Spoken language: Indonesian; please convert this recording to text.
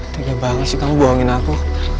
tegak banget sih kamu bohongin aku